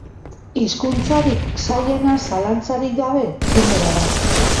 Hizkuntzarik zailena zalantzarik gabe Txinera da.